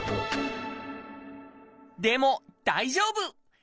でも大丈夫！